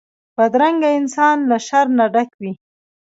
بدرنګه انسان له شر نه ډک وي